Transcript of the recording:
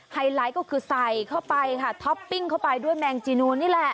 ไฮไลท์ก็คือใส่เข้าไปค่ะท็อปปิ้งเข้าไปด้วยแมงจีนูนนี่แหละ